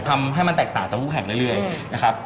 ทำให้มันแตกต่างจากคู่แข่งเรื่อยนะครับ